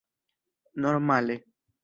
normale